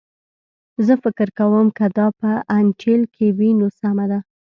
زه فکر کوم که دا په انټیل کې وي نو سمه ده